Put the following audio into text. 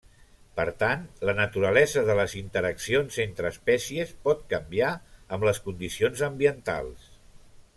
Per tant, la naturalesa de les interaccions entre espècies pot canviar amb les condicions ambientals.